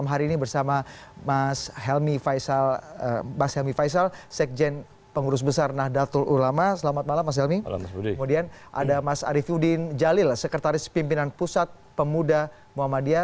mas ariefudin jalil sekretaris pimpinan pusat pemuda muhammadiyah